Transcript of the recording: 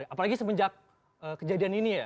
apalagi semenjak kejadian ini ya